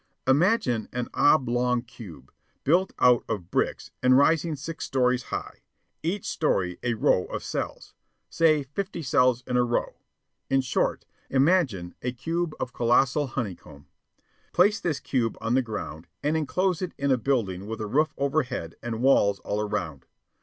Imagine an oblong cube, built out of bricks and rising six stories high, each story a row of cells, say fifty cells in a row in short, imagine a cube of colossal honeycomb. Place this cube on the ground and enclose it in a building with a roof overhead and walls all around.